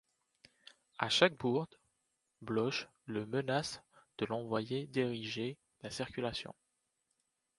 À chaque bourde, Bloch le menace de l'envoyer diriger la circulation.